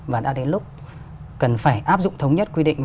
và đã đến lúc cần phải áp dụng thống nhất quy định